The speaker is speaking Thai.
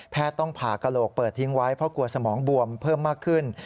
ต้องผ่ากระโหลกเปิดทิ้งไว้เพราะกลัวสมองบวมเพิ่มมากขึ้น